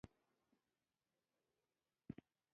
مطلق غلط دی او هیڅ منطق ورته نه جوړېږي.